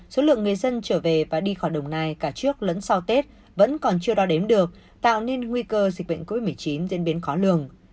số lượng người dân trở về và đi khỏi đồng nai cả trước lẫn sau tết vẫn còn chưa đo đếm được tạo nên nguy cơ dịch bệnh covid một mươi chín diễn biến khó lường